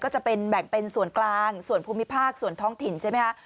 ก็จะเป็นแบ่งเป็นส่วนกลางส่วนภูมิภาคส่วนท้องถิ่นใช่ไหมคะ